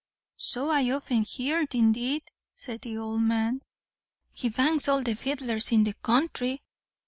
"So I often heerd, indeed," said the old man. "He bangs all the fiddlers in the counthry."